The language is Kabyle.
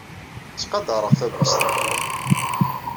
Ttqadareɣ tabɣest-nwent.